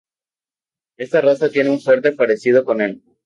Esta raza tiene un fuerte parecido con el